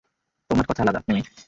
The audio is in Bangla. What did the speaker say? তোমার কথা আলাদা, মিমি।